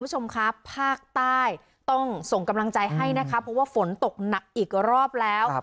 คุณผู้ชมครับภาคใต้ต้องส่งกำลังใจให้นะคะเพราะว่าฝนตกหนักอีกรอบแล้ว